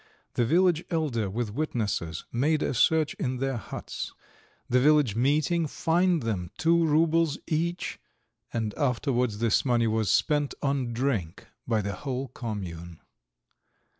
The village elder with witnesses made a search in their huts; the village meeting fined them two roubles each, and afterwards this money was spent on drink by the whole commune.